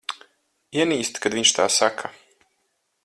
Ienīstu, kad viņš tā saka.